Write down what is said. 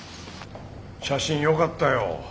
写真よかったよ。